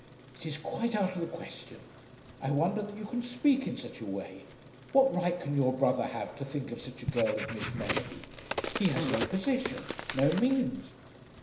"It is quite out of the question. I wonder that you can speak in such a way. What right can your brother have to think of such a girl as Miss Mellerby? He has no position; no means."